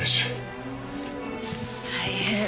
大変。